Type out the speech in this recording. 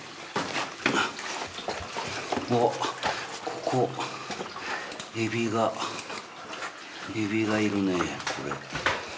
ここここエビがエビがいるねこれ。